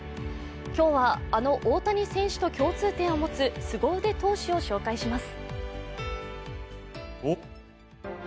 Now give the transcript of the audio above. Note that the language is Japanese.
今日は、あの大谷選手と共通点を持つすご腕投手を紹介します。